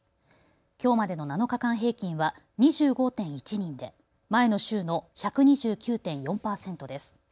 きょうまでの７日間平均は２５．１人で前の週の１２９．４％です。